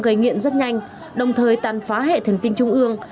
có khả năng gây nghiện rất nhanh đồng thời tàn phá hệ thần tinh trung ương